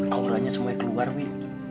auranya semuanya keluar wi